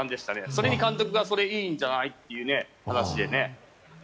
それに監督がそれ、いいんじゃない？ということで。